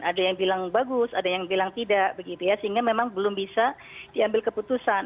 ada yang bilang bagus ada yang bilang tidak begitu ya sehingga memang belum bisa diambil keputusan